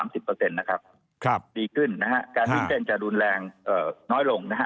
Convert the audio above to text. ดีขึ้นนะฮะการวิ่งเต้นจะรุนแรงน้อยลงนะฮะ